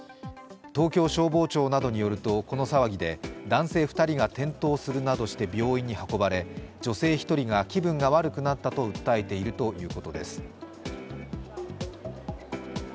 東京消防庁などによるとこの騒ぎで男性２人が転倒するなどして病院に運ばれ女性１人が気分が悪くなったと訴えているということです。